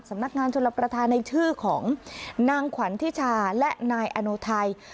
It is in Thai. สำนักงานชนรับประทานในชื่อของนางขวัญทิชาและนายอโนไทย